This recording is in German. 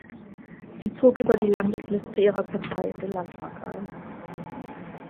Sie zog über die Landesliste ihrer Partei in den Landtag ein.